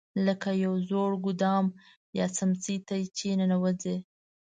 لکه یو زوړ ګودام یا څمڅې ته چې ننوځې.